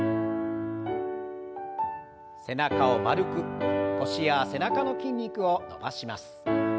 背中を丸く腰や背中の筋肉を伸ばします。